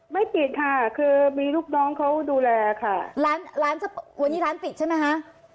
ไม่ปิดค่ะคือมีลูกน้องเขาดูแลค่ะร้านร้านวันนี้ร้านปิดใช่ไหมคะ